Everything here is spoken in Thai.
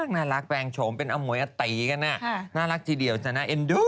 น่ารักจีนเดียวน่ะ